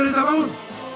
hei kamu bangun